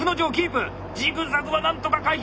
ジグザグはなんとか回避した。